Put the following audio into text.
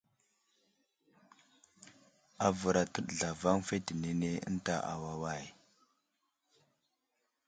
Avər atəɗ zlavaŋ fetenene ənta awaway.